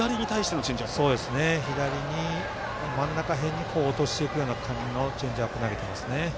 左に真ん中辺に落としていくチェンジアップ投げていますね。